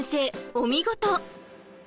お見事！